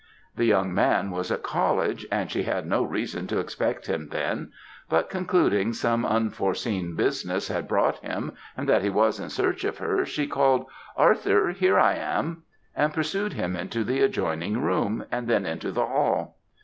The young man was at college, and she had no reason to expect him then, but concluding some unforeseen business had brought him, and that he was in search of her, she called 'Arthur, here I am,' and pursued him into the adjoining room, and then into the hall.